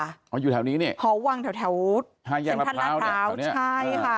หอยู่แถวนี่เนี่ย